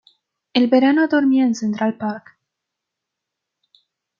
En verano dormía en Central Park.